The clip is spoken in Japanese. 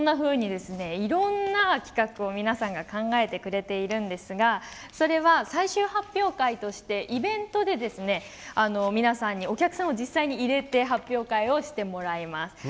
いろんな企画を皆さんが考えてくれているんですがそれは最終発表会としてイベントで皆さんにお客さんを実際に入れて発表会をしてもらいます。